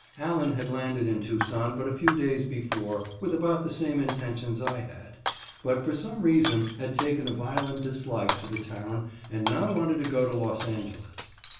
Allen had landed in Tucson but a few days before with about the same intentions I had, but for some reason had taken a violent dislike to the town, and now wanted to go to Los Angeles.